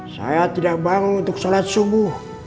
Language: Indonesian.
saya tidak bangun untuk sholat subuh